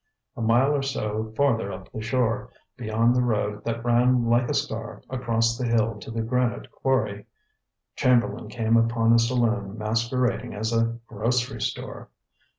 A mile or so farther up the shore, beyond the road that ran like a scar across the hill to the granite quarry, Chamberlain came upon a saloon masquerading as a grocery store.